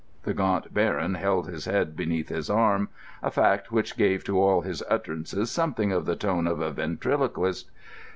The Gaunt Baron held his head beneath his arm—a fact which gave to all his utterances something of the tone of a ventriloquist.